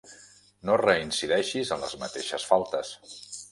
No reincideixis en les mateixes faltes.